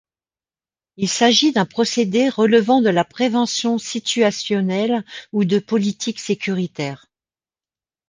Il s'agit d'un procédé relevant de la prévention situationnelle ou de politiques sécuritaires.